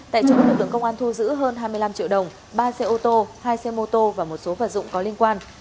tại chỗ lực lượng công an thu giữ hơn hai mươi năm triệu đồng ba xe ô tô hai xe mô tô và một số vật dụng có liên quan